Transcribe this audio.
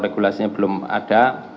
regulasinya belum ada